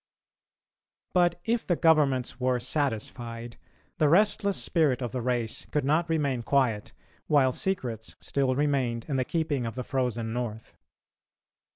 But if the Governments were satisfied, the restless spirit of the race could not remain quiet while secrets still remained in the keeping of the frozen North.